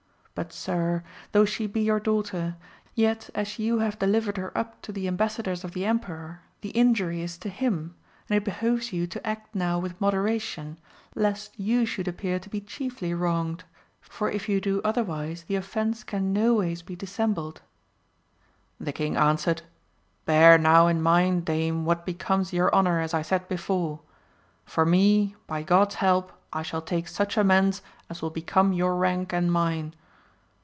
But Sir, tho' she be your daughter, yet as you have delivered her up to the embassadors of the emperor, the injury is to him, and it behoves you to act now with moderation lest you should appear to be chiefly wronged, for if you do otherwise the offence can no ways be dissembled. The king answered, Bear now in mind dame what becomes your honour as I said before ! For me, by God's help I shall take such amends as will become your rank and mine.